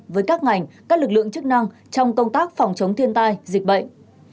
với các ngành các lực lượng chức năng trong công tác phòng chống thiên tai dịch bệnh